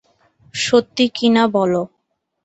সত্যি কি না বলো।